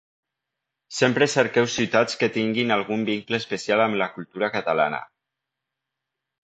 Sempre cerqueu ciutats que tinguin algun vincle especial amb la cultura catalana.